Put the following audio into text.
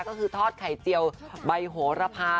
ก็คือทอดไข่เจียวใบโหระพา